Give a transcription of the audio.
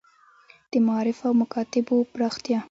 د معارف او مکاتیبو پراختیا.